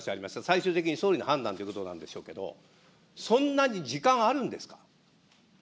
最終的に総理の判断ということなんでしょうけど、そんなに時間あるんですか。